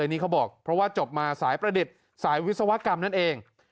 นี่เขาบอกเพราะว่าจบมาสายประดิษฐ์สายวิศวกรรมนั่นเอง